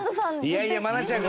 いやいや愛菜ちゃん